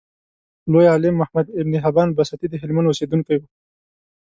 لوی عالم محمد ابن حبان بستي دهلمند اوسیدونکی و.